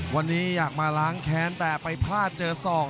วันนี้อยากมาล้างแค้นแต่ไปพลาดเจอศอก